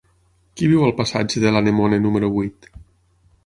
Qui viu al passatge de l'Anemone número vuit?